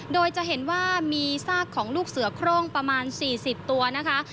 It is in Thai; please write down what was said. โดยจะเห็นว่ามีซากของลูกเสือโครงประมาณ๔๐ตัวนะคะ